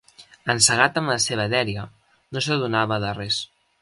Encegat amb la seva dèria, no s'adonava de res